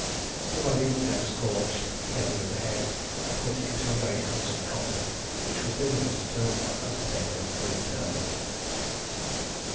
The body was then scorched, together with the head, and put into a very handsome coffin, which was delivered to an undertaker for interment.